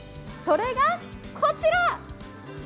それがこちら！